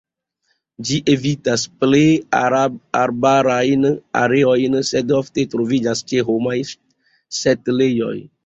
Ĝi evitas plej arbarajn areojn, sed ofte troviĝas ĉe homaj setlejoj.